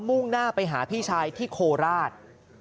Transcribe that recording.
มุ่งหน้าไปหาพี่ชายที่โคราช